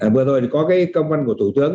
vừa rồi có cái công văn của thủ tướng